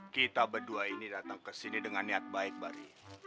kita berdua ini datang kesini dengan niat baik bari